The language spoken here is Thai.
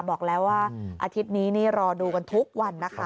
บอกแล้วว่าอาทิตย์นี้นี่รอดูกันทุกวันนะคะ